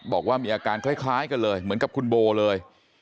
บอกว่ามีอาการคล้ายกันเลยเหมือนกับคุณโบเลย